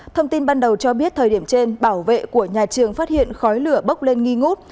thông tin ban đầu cho biết thời điểm trên bảo vệ của nhà trường phát hiện khói lửa bốc lên nghi ngút